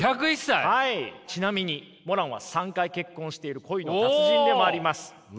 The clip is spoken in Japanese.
ちなみにモランは３回結婚している恋の達人でもあります。